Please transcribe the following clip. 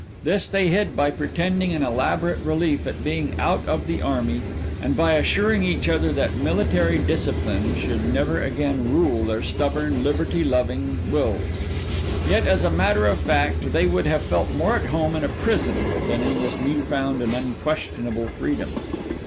This they hid by pretending an elaborate relief at being out of the army, and by assuring each other that military discipline should never again rule their stubborn, liberty loving wills. Yet, as a matter of fact, they would have felt more at home in a prison than in this new found and unquestionable freedom.